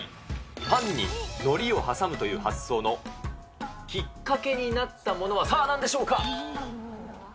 パンにのりを挟むという発想のきっかけになったものはさあ、なんでしょうか。